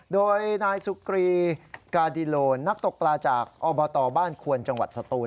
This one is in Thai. โดยนายสุกรีกาดิโลนักตกปลาจากอบตบ้านควนจังหวัดสตูน